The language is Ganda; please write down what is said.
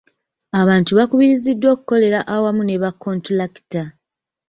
Abantu bakubiriziddwa okukolera awamu ne ba kontulakita.